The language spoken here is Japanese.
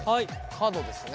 角ですね。